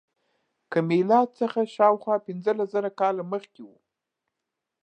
له میلاد څخه شاوخوا پنځلس زره کاله مخکې و.